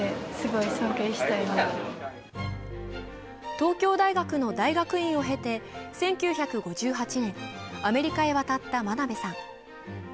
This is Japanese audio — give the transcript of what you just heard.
東京大学の大学院を経て１９５８年、アメリカへ渡った真鍋さん。